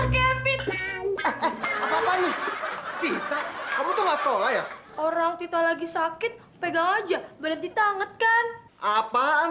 kevin apa apa nih kamu tuh orang kita lagi sakit pegang aja berhenti tangan kan apaan